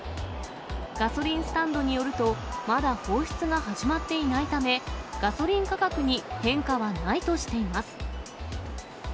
ガソリンスタンドによると、まだ放出が始まっていないため、ガソリン価格に変化はないとしています。